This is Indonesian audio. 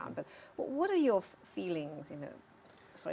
dengan kaki yang benar